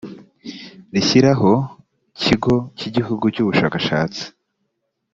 rishyiraho kigo cy igihugu cy ubushakashatsi